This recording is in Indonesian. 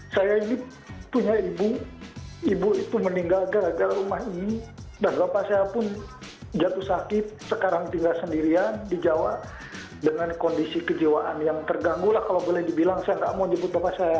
saya ini punya ibu ibu itu meninggal gagal rumah ini dan bapak saya pun jatuh sakit sekarang tinggal sendirian di jawa dengan kondisi kejiwaan yang terganggu lah kalau boleh dibilang saya nggak mau jemput bapak saya